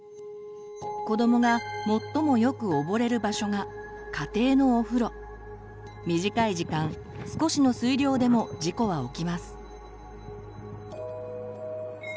子どもが最もよく溺れる場所が短い時間少しの水量でも事故は起きます。